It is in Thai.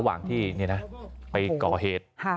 ระหว่างที่เนี้ยนะไปก่อเหตุใช่ไหม